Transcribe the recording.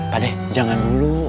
pak deh jangan dulu